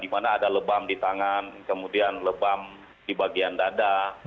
di mana ada lebam di tangan kemudian lebam di bagian dada